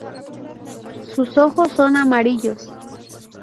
Sus ojos son amarillos.